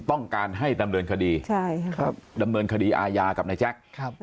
ต้องการให้ดำเนินคดีดำเนินคดีอาญากับนายแจ๊ค